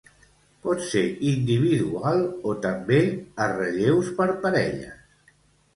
Pot ser individual o també a relleus per parelles.